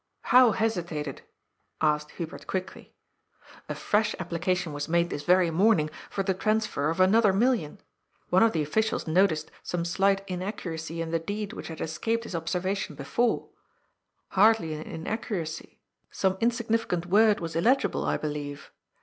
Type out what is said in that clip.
" How ' hesitated '?" asked Hubert quickly. " A fresh application was made this very morning for the transfer of another million. One of the officials noticed some slight inaccuracy in the deed which had escaped his observation before — ^hardly an inaccuracy ; some insignifi cant word was illegible, I believe.